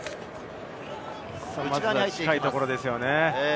まず近いところですよね。